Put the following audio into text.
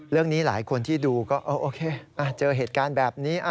เรื่องนี้หลายคนที่ดูก็โอเคเจอเหตุการณ์แบบนี้